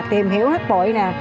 tìm hiểu hát bội nè